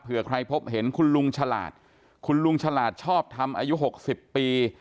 เพื่อใครพบเห็นคุณลุงฉลาดคุณลุงฉลาดชอบทำอายุ๖๐ปี